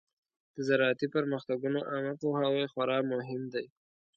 د زراعتي پرمختګونو عامه پوهاوی خورا مهم دی.